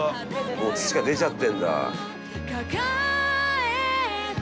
もう土が出ちゃってるんだ。